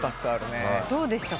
どうでしたか？